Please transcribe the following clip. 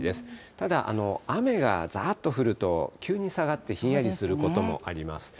ただ、雨がざーっと降ると急に下がって、ひんやりすることもあります。